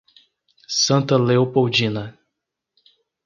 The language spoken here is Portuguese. Santa Leopoldina